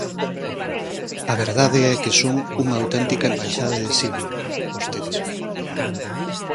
A verdade é que son unha auténtica embaixada de Siria, vostedes.